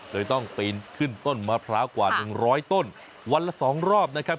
โดยต้องปีนขึ้นต้นมะพร้าวกว่า๑๐๐ต้นวันละ๒รอบนะครับ